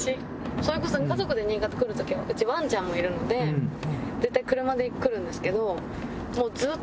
それこそ家族で新潟来る時はうちワンちゃんもいるので絶対車で来るんですけど。